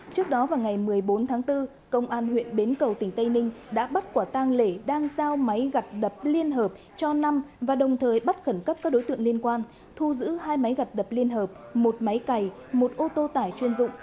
trước đó vào ngày một mươi bốn tháng bốn công an huyện bến cầu tỉnh tây ninh đã bắt quả tang lễ đang giao máy gặt đập liên hợp cho năm và đồng thời bắt khẩn cấp các đối tượng liên quan thu giữ hai máy gặt đập liên hợp một máy cày một ô tô tải chuyên dụng